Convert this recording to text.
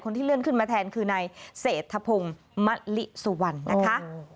คนที่เลื่อนขึ้นมาแทนคือในเสธพงษ์มะลิสวรรค์นะคะ